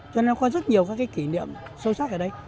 cho nên có rất nhiều kỷ niệm sâu sắc ở đây